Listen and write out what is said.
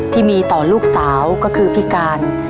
ที่มีต่อลูกสาวก็คือพิการ